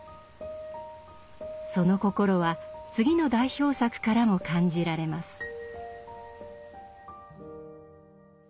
その心は次の代表作からも感じられます。